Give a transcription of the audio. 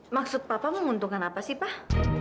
maksud papa menguntungkan apa sih pak